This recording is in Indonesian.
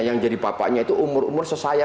yang jadi bapaknya itu umur umur sesaya